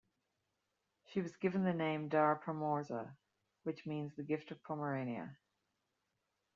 She was given the name "Dar Pomorza", which means "the gift of Pomerania".